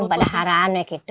nggak ada hal aneh gitu